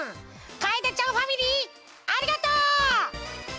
かえでちゃんファミリーありがとう！